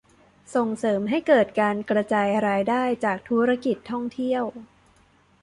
ส่งเสริมให้เกิดการกระจายรายได้จากธุรกิจท่องเที่ยว